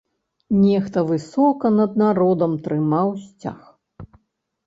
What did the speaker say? Нехта высока над народам трымаў сцяг.